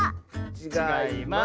ちがいます。